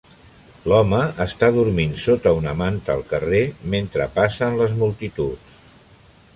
L'home està dormint sota una manta al carrer mentre passen les multituds.